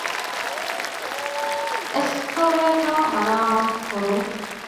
އެސްކަވޭޓަރ މަރާމާތުކުރުން